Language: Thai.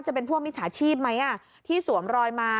จะเป็นพวกมิจฉาชีพไหมที่สวมรอยมา